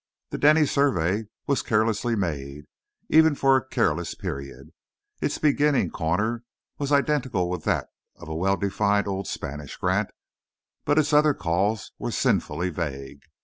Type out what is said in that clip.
The Denny survey was carelessly made, even for a careless period. Its beginning corner was identical with that of a well defined old Spanish grant, but its other calls were sinfully vague.